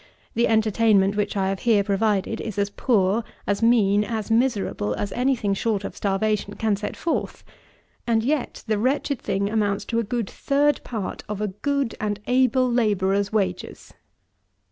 The entertainment which I have here provided is as poor, as mean, as miserable as any thing short of starvation can set forth; and yet the wretched thing amounts to a good third part of a good and able labourer's wages!